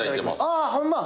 ああホンマ。